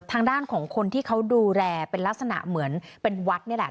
ทางด้านของคนที่เขาดูแลเป็นลักษณะเหมือนเป็นวัดนี่แหละ